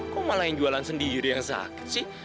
kok malah yang jualan sendiri yang sakit sih